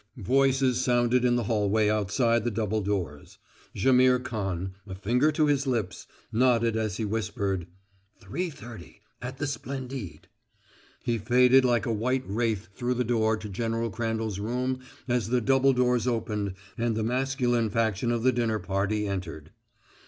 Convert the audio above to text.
Voices sounded in the hallway outside the double doors. Jaimihr Khan, a finger to his lips, nodded as he whispered: "Three thirty, at the Splendide." He faded like a white wraith through the door to General Crandall's room as the double doors opened and the masculine faction of the dinner party entered.